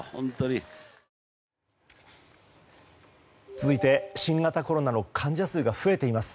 続いて、新型コロナの患者数が増えています。